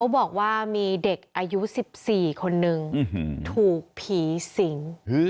บอกว่ามีเด็กอายุ๑๔คนนึงถูกผีสิง